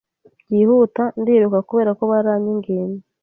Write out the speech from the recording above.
Byihuta ndiruka Kuberako baranyinginze